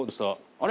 あれ？